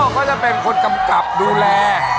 เขาจะเป็นคนกำกับดูแล